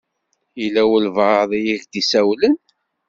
Yella walebɛaḍ i ak-d-isawlen?